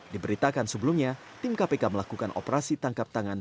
diberitakan sebelumnya tim kpk melakukan operasi tangkap tangan